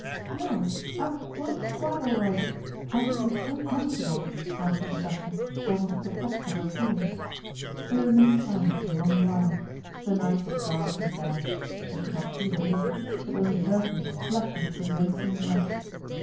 "No. I'm quite, quite all right. I feel so comfortable!" answered Natásha, almost perplexed by her feelings. They remained silent a long while. The night was dark and damp. They could not see the horses, but only heard them splashing through the unseen mud.